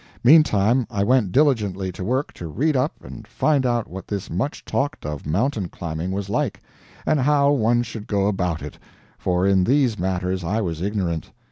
Meantime, I went diligently to work to read up and find out what this much talked of mountain climbing was like, and how one should go about it for in these matters I was ignorant.